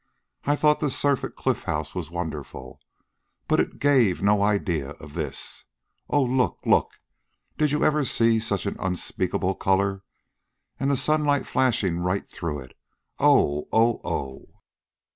"I... I thought the surf at the Cliff House was wonderful, but it gave no idea of this. Oh! Look! LOOK! Did you ever see such an unspeakable color? And the sunlight flashing right through it! Oh! Oh! Oh!"